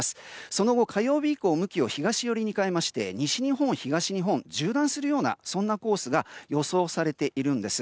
その後、火曜日以降向きを東寄りに変えまして西日本、東日本を縦断するようなコースが予想されているんです。